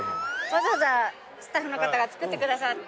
わざわざスタッフの方が作ってくださった。